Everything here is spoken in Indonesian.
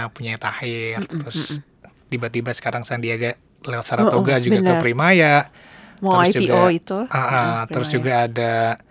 punya tahir terus tiba tiba sekarang sandiaga lewat saratoga juga ke primaya terus juga itu terus juga ada